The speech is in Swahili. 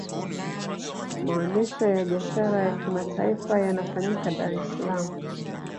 maonesho ya biashara ya kimataifa yanafanyika dar es salaam